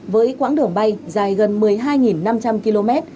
với quãng đường bay dài gần một mươi hai năm trăm linh km